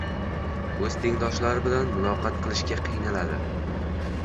O‘z tengdoshlari bilan muloqot qilishga qiynaladi: